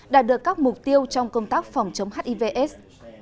đạt được các mục tiêu trong công tác phòng chống hivs